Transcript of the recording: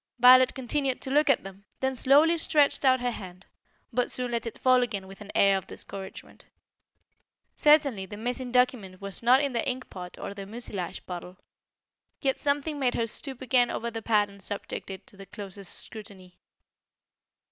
Violet continued to look at them, then slowly stretched out her hand, but soon let it fall again with an air of discouragement. Certainly the missing document was not in the ink pot or the mucilage bottle. Yet something made her stoop again over the pad and subject it to the closest scrutiny.